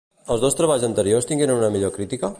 Els dos treballs anteriors tingueren una millor crítica.